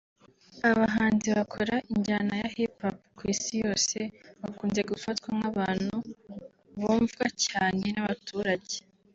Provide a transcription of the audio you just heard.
Abahanzi bakora injyana ya Hip Hop ku Isi yose bakunze gufatwa nk’abantu bumvwa cyane n’abaturage